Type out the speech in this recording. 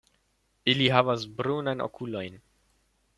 Ili havas brunajn okulojn.